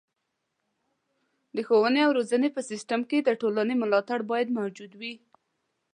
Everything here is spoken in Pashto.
د ښوونې او روزنې په سیستم کې د ټولنې ملاتړ باید موجود وي.